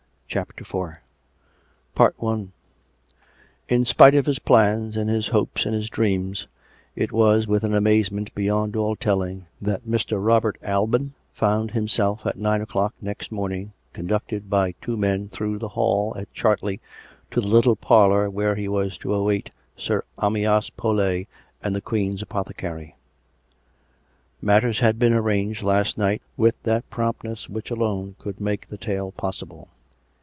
CHAPTER IV In spite of his plans and his hopes and his dreams, it was with an amazement beyond all telling, that Mr. Robert Alban found himself, at nine o'clock next morning, con ducted by two men through the hall at Chartley to the little parlour where he was to await Sir Amyas Paulet and the Queen's apothecary. Matters had been arranged last night with that prompt ness which alone could make the tale possible.